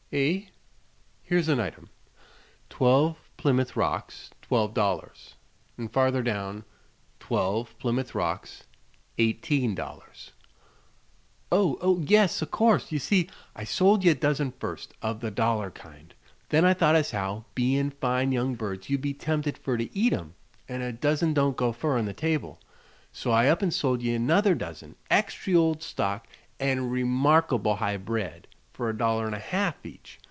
"Eh?" "Here's an item: 'Twelve Plymouth Rocks, twelve dollars;' and farther down: 'Twelve Plymouth Rocks, eighteen dollars.'" "Oh, yes; o' course. Ye see, I sold you a dozen first, of the dollar kind. Then I thought as how, bein' fine young birds, you'd be tempted fer to eat 'em, an' a dozen don't go fur on the table. So I up an' sold ye another dozen, extry ol' stock an' remarkable high bred, fer a dollar an' a half each.